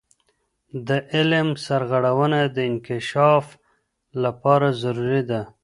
د علم سرغړونه د انکشاف لپاره ضروري ده.